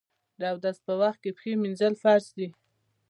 د اودس په وخت کې پښې مینځل فرض دي.